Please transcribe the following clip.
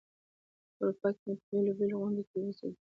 په اروپا کې مي په بېلو بېلو غونډو کې لوستې دي.